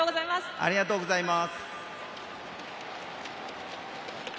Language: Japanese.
ありがとうございます。